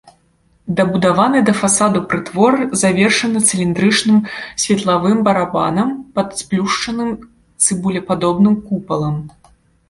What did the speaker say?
Дабудаваны да фасаду прытвор завершаны цыліндрычным светлавым барабанам пад сплюшчаным цыбулепадобным купалам.